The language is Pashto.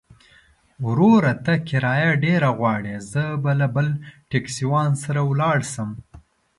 وروره! ته کرايه ډېره غواړې، زه به له بل ټکسيوان سره ولاړ شم.